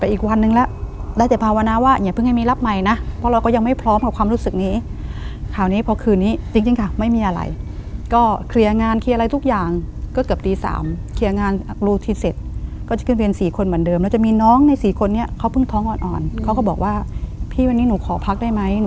อีกวันนึงแล้วได้แต่ภาวนาว่าอย่าเพิ่งให้มีรับใหม่นะเพราะเราก็ยังไม่พร้อมกับความรู้สึกนี้คราวนี้พอคืนนี้จริงค่ะไม่มีอะไรก็เคลียร์งานเคลียร์อะไรทุกอย่างก็เกือบตี๓เคลียร์งานรูทีเสร็จก็จะขึ้นเวร๔คนเหมือนเดิมแล้วจะมีน้องใน๔คนนี้เขาเพิ่งท้องอ่อนเขาก็บอกว่าพี่วันนี้หนูขอพักได้ไหม